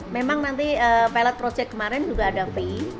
memang nanti pilot project kemarin juga ada va